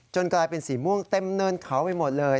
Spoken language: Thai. กลายเป็นสีม่วงเต็มเนินเขาไปหมดเลย